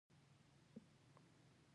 وزې مې د باغ ټول ګلان وخوړل.